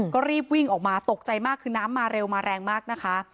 ก็รีบวิ่งออกมาตกใจมากคือน้ำมาเร็วมาแรงมากนะคะ